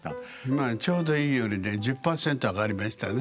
今はちょうどいいよりね１０％上がりましたね。